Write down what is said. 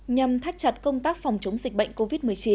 nhằm thắt chặt công tác phòng chống dịch bệnh covid một mươi chín